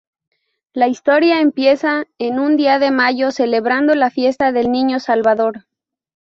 La historia empieza en un día de mayo celebrando la fiesta del Niño Salvador.